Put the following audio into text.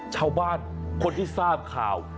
ชาวบ้านคนที่ทราบข่าว